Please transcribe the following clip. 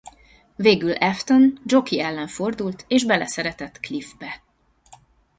Végül Afton Jockey ellen fordult és beleszeretett Cliff-be.